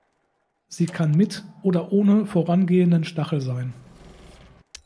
Sie kann mit oder ohne vorangehenden Stachel sein.